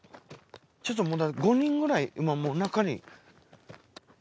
ちょっと５人くらい今もう中に。